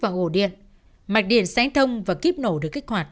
ông đạt lên xe trở về nhà